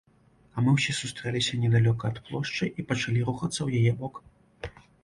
А мы ўсе сустрэліся недалёка ад плошчы і пачалі рухацца ў яе бок.